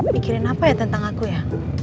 mikirin apa ya tentang aku ya